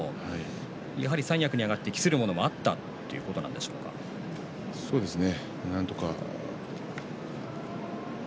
やはり三役に上がって期するものもそうですね。